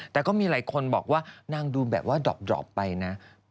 แต่ก็มีหลายคนบอกว่านางดูแบบว่าดอบไปนะ